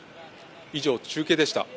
以上、中継でした。